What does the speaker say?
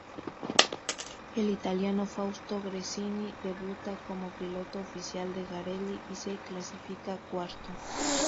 El italiano Fausto Gresini debuta como piloto oficial de Garelli y se clasifica cuarto.